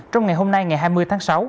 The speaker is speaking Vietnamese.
trong ngày hôm nay ngày hai mươi tháng sáu